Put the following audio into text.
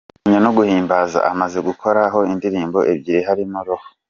kuramya no guhimbaza, amaze gukoraho indirimbo ebyiri harimo Roho.